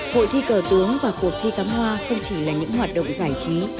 hội thi cờ tướng và cuộc thi cắm hoa không chỉ là những hoạt động giải trí